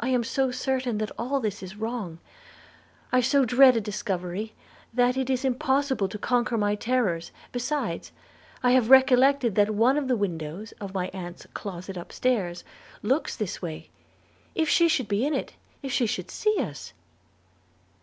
I am so certain that all this is wrong, I so dread a discovery, that it is impossible to conquer my terrors: besides, I have recollected that one of the windows of my aunt's closet up stairs looks this way. If she should be in it, if she should see us!'